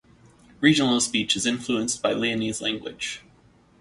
Regional speech is influenced by Leonese language.